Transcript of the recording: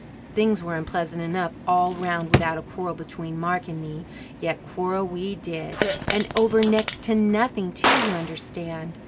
Things were unpleasant enough all round without a quarrel between Mark and me; yet quarrel we did and over next to nothing, too, you understand.